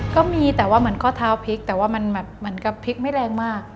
ก็มีแต่ว่าเหมือนข้อเท้าพลิกแต่ว่ามันแบบเหมือนกับพลิกไม่แรงมาก